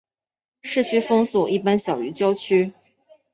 市区风速一般小于郊区。